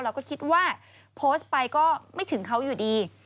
เราก็คิดว่าโพสต์ไปก็ไม่ถึงเขาอยู่ดี